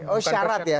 oh syarat ya